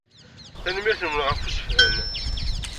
Tanemmirt-nwen ɣef ussefhem.